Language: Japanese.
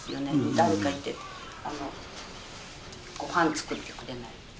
誰かいてご飯作ってくれないと。